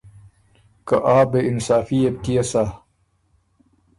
که آ بې انصافي يې بُو کيې سَۀ؟